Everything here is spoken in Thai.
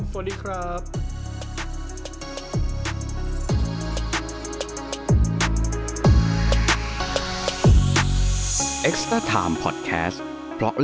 สวัสดีครับ